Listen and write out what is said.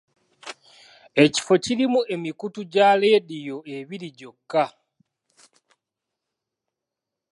Ekifo kirimu emikutu gya laadiyo ebiri gyokka.